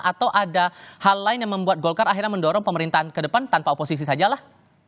atau ada hal lain yang membuat golkar akhirnya mendorong pemerintahan ke depan tanpa oposisi saja lah